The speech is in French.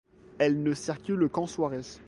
Elle ne circule qu'en soirée.